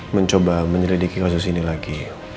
mencoba menyelidiki kasus ini lagi